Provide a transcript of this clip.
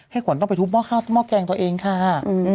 ขวัญต้องไปทุบหม้อแกงตัวเองค่ะ